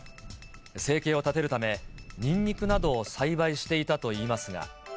生計を立てるため、ニンニクなどを栽培していたといいますが。